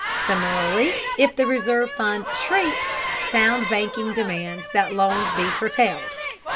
Similarly, if the reserve fund shrinks, sound banking demands that loans be curtailed.